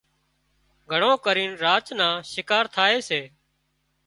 گھڻو ڪرينَ راچ نان شڪار ٿائي سي